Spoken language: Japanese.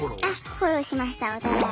フォローしましたお互い。